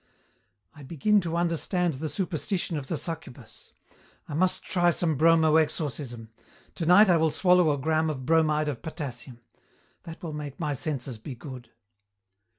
"I begin to understand the superstition of the succubus. I must try some bromo exorcism. Tonight I will swallow a gram of bromide of potassium. That will make my senses be good."